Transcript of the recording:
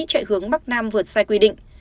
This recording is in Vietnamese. chạy hướng bắc nam vượt sai quy định